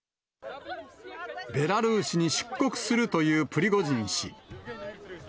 ベラルーシに出国するというプリゴジン氏。